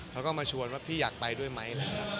เขาก็มาชวนว่าพี่อยากไปด้วยไหม